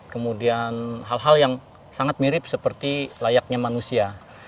kemudian hal hal yang sangat mirip seperti layaknya manusia